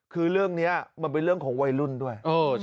คือเรื่องนี้มันเป็นเรื่องของวัยรุ่นด้วย